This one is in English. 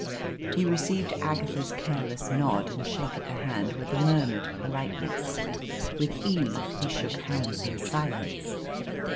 He received Agatha's careless nod and shake of the hand with a murmured politeness; with Eve he shook hands in silence.